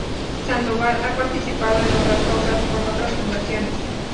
Sandoval, ha participado en otras obras, con otras fundaciones.